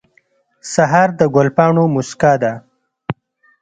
سهار د ګل پاڼو موسکا ده.